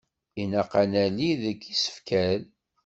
Ilaq ad nali deg isefkal.